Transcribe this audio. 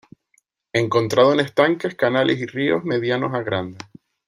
Encontrado en estanques, canales y ríos medianos a grandes.